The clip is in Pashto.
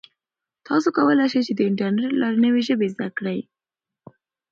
تاسو کولای شئ چې د انټرنیټ له لارې نوې ژبې زده کړئ.